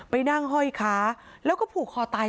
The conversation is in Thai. ไปนั่งห้อยค้าแล้วก็ผูกคอตาย